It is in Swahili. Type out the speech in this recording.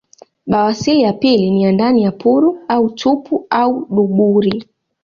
Bawasili ya pili ni ya ndani ya puru au tupu au duburi